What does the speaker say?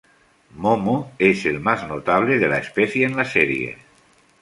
Momo es el más notable de la especie en la serie.